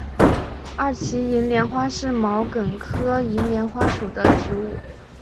二歧银莲花是毛茛科银莲花属的植物。